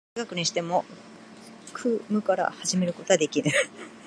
けれど哲学にしても空無から始めることはできぬ。